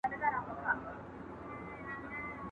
¬ يو ښار دوه نرخه.